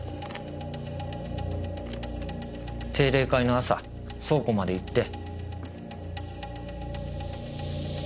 定例会の朝倉庫まで行って。